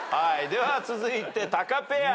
では続いてタカペア。